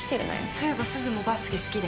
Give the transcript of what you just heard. そういえばすずもバスケ好きだよね？